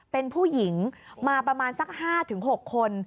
เป็นผู้หญิงมาประมาณสัก๕๖คน